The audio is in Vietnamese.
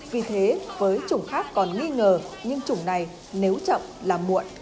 vì thế với chủng khác còn nghi ngờ nhưng chủng này nếu chậm là muộn